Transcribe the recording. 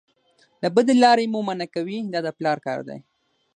له بدې لارې مو منع کوي دا د پلار کار دی.